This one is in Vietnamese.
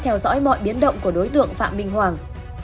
theo dõi mọi biến động của đối tượng phạm minh hoàng